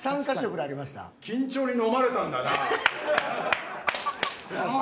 緊張にのまれたんだなあ。